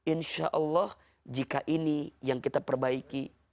insya allah jika ini yang kita perbaiki